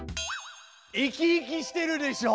生き生きしてるでしょ！